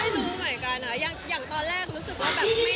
ไม่รู้เหมือนกันนะอย่างตอนแรกรู้สึกว่าไม่น่ามี